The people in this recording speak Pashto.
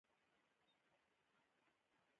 همدغه خپلوان په خپل لښکر کې جذبوي.